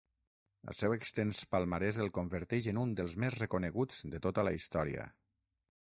El seu extens palmarès el converteix en un dels més reconeguts de tota la història.